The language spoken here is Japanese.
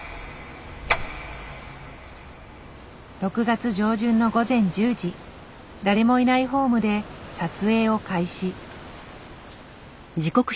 ６月上旬の午前１０時誰もいないホームで撮影を開始。